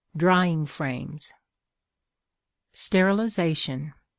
Drying Frames. STERILIZATION.